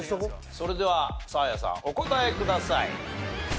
それではサーヤさんお答えください。